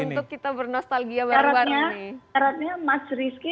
untuk kita bernostagia baru baru ini